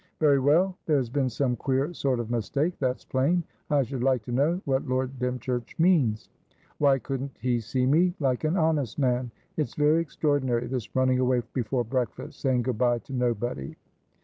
"Very well. There has been some queer sort of mistake, that's plain. I should like to know what Lord Dymchurch means. Why couldn't he see me, like an honest man? It's very extraordinary, this running away before breakfast, saying good bye to nobody."